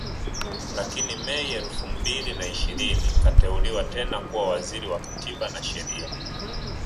Lakini Mei elfu mbili na ishirini akateuliwa tena kuwa Waziri Wa Katiba na Sheria